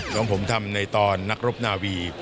ของผมทำในตอนนักรบนาวี